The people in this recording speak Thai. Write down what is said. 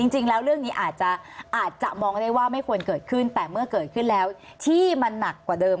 จริงแล้วเรื่องนี้อาจจะมองได้ว่าไม่ควรเกิดขึ้นแต่เมื่อเกิดขึ้นแล้วที่มันหนักกว่าเดิม